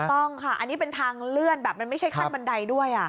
ต้องค่ะอันนี้เป็นทางเลื่อนแบบมันไม่ใช่ขั้นบันไดด้วย